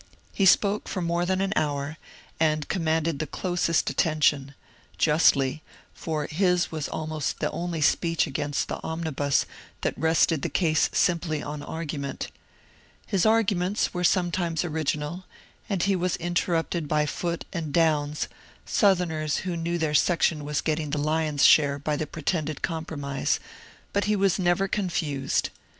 He spoke for more than an hour, and commanded the closest attention, — justly, for his was almost the only 82 MONCURE DANIEL CONWAY speech against the ^^ Omnibus " that rested the case simply on argument. His arguments were sometimes original, and he was interrupted by Foote and Downs, Southerners who knew their section was getting the lion's share by the pretended " Compromise/' but he was never confused.